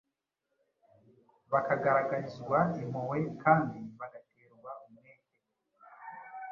bakagaragarizwa impuhwe kandi bagaterwa umwete,